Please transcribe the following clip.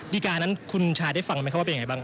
ดีการนั้นคุณชายได้ฟังไหมครับว่าเป็นยังไงบ้าง